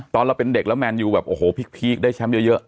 ตอนเราเป็นเด็กแล้วแมนยูแบบโอ้โหพีคได้แชมป์เยอะ